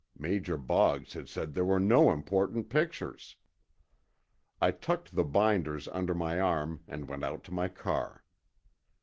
Major Boggs had said there were no important pictures. I tucked the binders under my arm and went out to my car.